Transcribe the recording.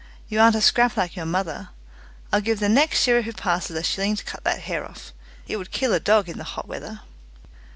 You aren't a scrap like your mother. I'll give the next shearer who passes a shilling to cut that hair off. It would kill a dog in the hot weather."